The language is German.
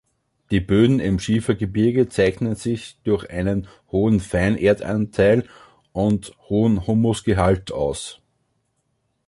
Die Böden im Schiefergebirge zeichnen sich durch einen hohen Feinerdeanteil und hohen Humusgehalt aus.